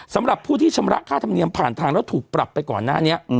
สำหรับผู้ที่ชำระค่าธรรมเนียมผ่านทางแล้วถูกปรับไปก่อนหน้านี้